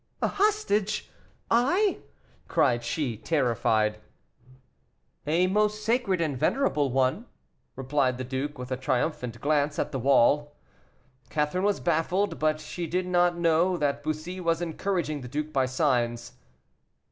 "A hostage! I!" cried she, terrified. "A most sacred and venerable one," replied the duke, with a triumphant glance at the wall. Catherine was baffled, but she did not know that Bussy was encouraging the duke by signs.